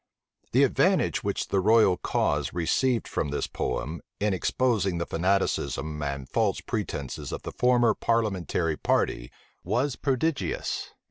The advantage which the royal cause received from this poem, in exposing the fanaticism and false pretences of the former parliamentary party, was prodigious.